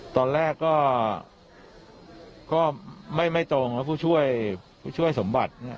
ตอนแรกก็ไม่ตรงกับผู้ช่วยสมบัติ